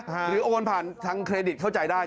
โอนผ่านทางเครดิตเข้าใจได้